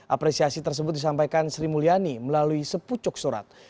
apresiasi tersebut disampaikan sri mulyani melalui sepucuk surat